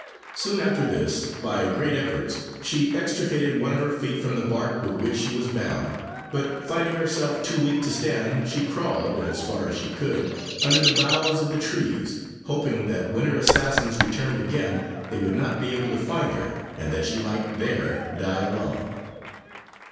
Soon after this, by great efforts, she extricated one of her feet from the bark with which she was bound; but finding herself too weak to stand, she crawled, as far as she could, under the boughs of the trees, hoping that when her assassins returned again they would not be able to find her, and that she might there die alone.